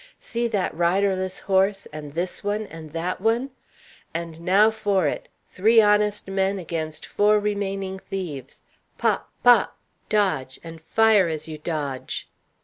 See that riderless horse, and this one, and that one! And now for it three honest men against four remaining thieves! Pop! pop! dodge, and fire as you dodge!